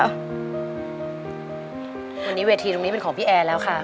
วันนี้เวทีตรงนี้เป็นของพี่แอร์แล้วค่ะ